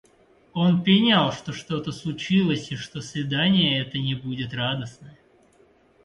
Он пенял, что что-то случилось и что свидание это не будет радостное.